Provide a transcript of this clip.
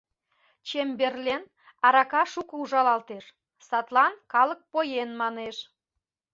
Чемберлен «арака шуко ужалалтеш», садлан «калык поен» манеш.